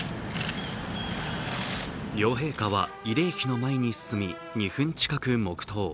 両陛下は慰霊碑の前に進み、２分近く黙とう。